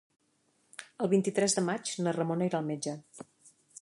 El vint-i-tres de maig na Ramona irà al metge.